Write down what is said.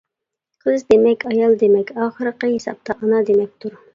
قىز دېمەك، ئايال دېمەك ئاخىرقى ھېسابتا ئانا دېمەكتۇر.